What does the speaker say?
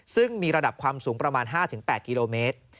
ซึ่งมีระดับความสูงประมาณ๕๘กิโลเมตร